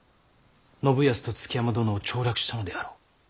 信康と築山殿を調略したのであろう。